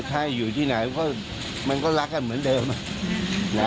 ให้อยู่ที่ไหนก็มันก็รักกันเหมือนเดิม